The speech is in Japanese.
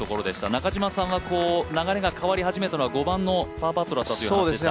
中嶋さんは流れが変わり始めたのは５番のパーパットという話でした。